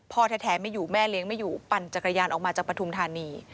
พ่อแท้ไม่อยู่แม่เลี้ยงไม่อยู่ปั่นจักรยานออกมาจากปฐุมธานี